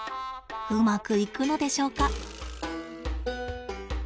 うまくいくのでしょうか。